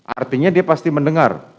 artinya dia pasti mendengar